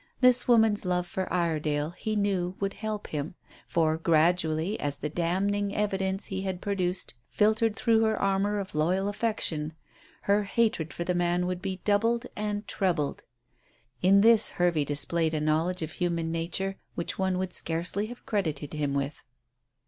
This woman's love for Iredale he knew would help him; for, gradually, as the damning evidence he had produced filtered through her armour of loyal affection, her hatred for the man would be doubled and trebled. In this Hervey displayed a knowledge of human nature which one would scarcely have credited him with.